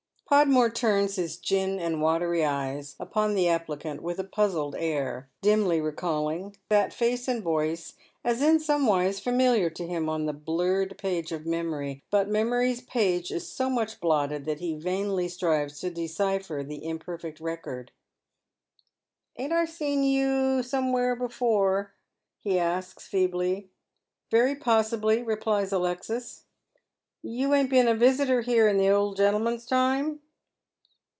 Podmore turns his gin and watery eyes upon the applicant with a puzzled air, dimly recalling that face and voice as in some mse familiar to him on the blun'ed page of memory. But Alexis Inveetigatet. 346 memory's page is so much blotted that he vainly stnves to decipher the imperfect record. " Ain't 1 seen you before somewhere ?" he asks, feebly. " Very possibly," replies Alexis. " You ain't been a visitor here in the old gentleman's time